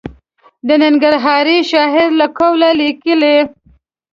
د ننګرهاري شاعر له قوله لیکي.